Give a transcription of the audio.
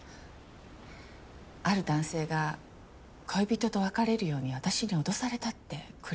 ある男性が恋人と別れるように私に脅されたってクレームを。